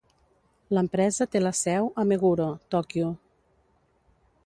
L'empresa té la seu a Meguro, Tòquio.